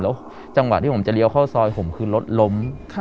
แล้วจังหวะที่ผมจะเลี้ยวเข้าซอยผมคือรถล้ม